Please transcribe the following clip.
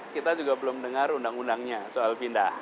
kita juga belum dengar undang undangnya soal pindah